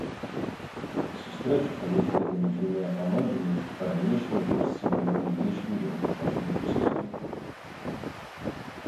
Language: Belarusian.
Сустрэча паміж гэтымі дзвюма камандамі па-ранейшаму лічыцца найбуйнейшым дэрбі краіны ў сезоне.